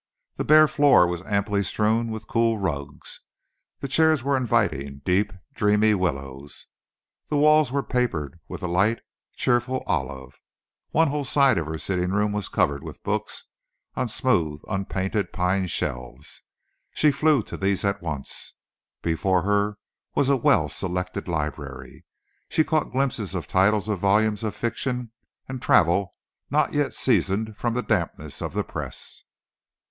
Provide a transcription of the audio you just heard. The bare floor was amply strewn with cool rugs; the chairs were inviting, deep, dreamy willows; the walls were papered with a light, cheerful olive. One whole side of her sitting room was covered with books on smooth, unpainted pine shelves. She flew to these at once. Before her was a well selected library. She caught glimpses of titles of volumes of fiction and travel not yet seasoned from the dampness of the press.